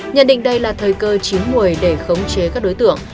nhận định đây là thời cơ chín mùi để khống chế các đối tượng